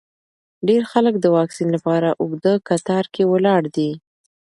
ډېر خلک د واکسین لپاره اوږده کتار کې ولاړ دي.